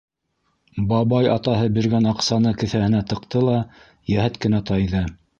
Бабай атаһы биргән аҡсаны кеҫәһенә тыҡты ла йәһәт кенә тайҙы.